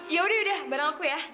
yaudah yaudah bareng aku ya